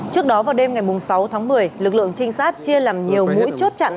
trước đó vào đêm ngày sáu tháng một mươi lực lượng trinh sát chia làm nhiều mũi chốt chặn